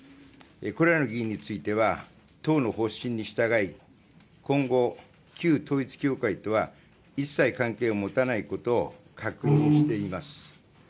これらの議員については党の方針に従い今後、旧統一教会とは一切関係を持たないことを確認しています。